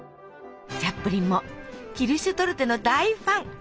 チャップリンもキルシュトルテの大ファン！